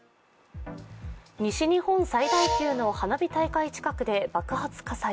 西日本最大級の花火大会近くで爆発火災。